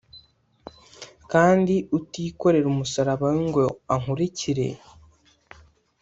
kandi utikorera umusaraba we ngo ankurikire